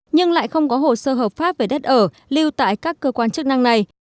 nhưng lại không có hồ sơ hợp pháp về đất ở lưu tại các cơ quan chức năng này